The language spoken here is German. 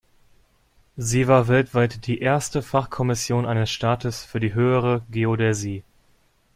Sie war weltweit die "erste" Fachkommission eines Staates für die Höhere Geodäsie.